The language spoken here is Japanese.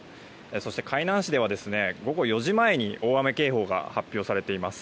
そして、海南市では午後４時前に大雨警報が出されています。